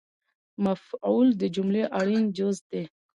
مفعول د جملې اړین جز دئ